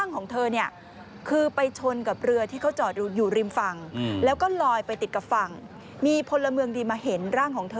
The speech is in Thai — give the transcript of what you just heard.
กับแม่น้ำ